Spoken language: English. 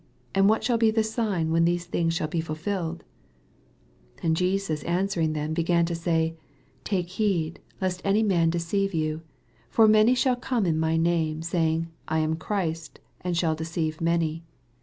and what shall be the sign when these things shall be fulfilled* 5 And Jesus answering them began to say, Take heed lest any man de ceive you : 6 For many shall come in my name, saying, I am Christ / and shall deceive many.